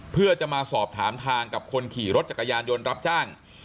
เพื่อจะมาสอบถามทางกับคนขี่รถจักรยานยนต์รับจ้าง